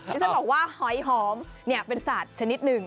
ที่ฉันบอกว่าหอยหอมเป็นสัตว์ชนิดหนึ่ง